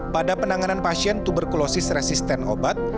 pada penanganan pasien tuberkulosis resisten obat